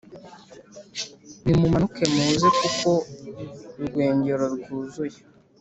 nimumanuke muze kuko urwengero rwuzuye